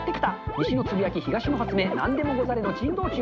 西のつぶやき、東の発明、なんでもござれの珍道中。